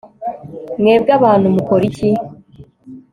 Mwebwe abantu mukora iki